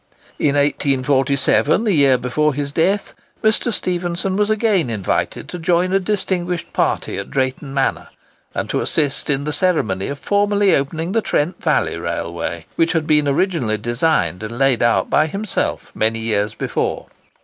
In 1847, the year before his death, Mr. Stephenson was again invited to join a distinguished party at Drayton Manor, and to assist in the ceremony of formally opening the Trent Valley Railway, which had been originally designed and laid out by himself many years before.